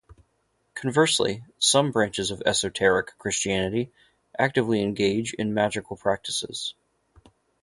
Conversely, some branches of esoteric Christianity actively engage in magical practices.